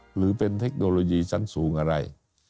หรือเป็นเทคโนโลยีชั้นสูงอะไร